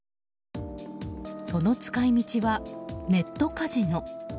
その使い道は、ネットカジノ。